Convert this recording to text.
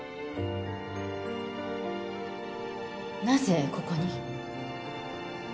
なぜここに？